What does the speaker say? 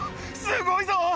すごいぞ。